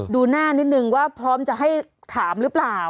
ดูหน้านิดนึงว่าพร้อมจะให้ถามหรือเปล่า